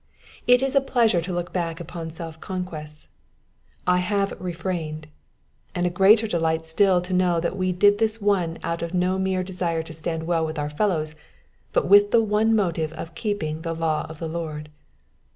It is a pleasure to look back upon self conquests, —I have refrained," and a greater delight still to know that w« did this out of no mere desire to stand well with our fellows, but with the one motive of keeping the law of the Lord.